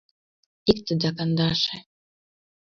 икте да кандаше.